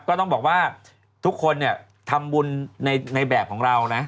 ก็ต้องบอกว่าทุกคนเนี่ยทำบุญในแบบของเรานะ